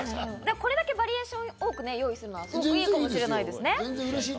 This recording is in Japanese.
これだけバリエーション多く用意するのがいいかもしれませんね。